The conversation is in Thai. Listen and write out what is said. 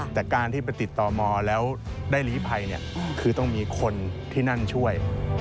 แต่การที่ไปติดต่อมแล้วได้ลีภัยคือต้องมีคนที่นั่นช่วย